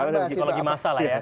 misalnya dari psikologi masa lah ya